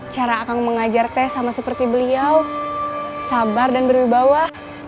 cara akan mengajar teh sama seperti beliau sabar dan berwibawa